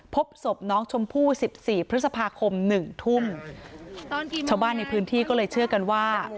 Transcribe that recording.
พบศพน้องชมพู่สิบสี่พฤษภาคมหนึ่งทุ่มชาวบ้านในพื้นที่ก็เลยเชื่อกันว่า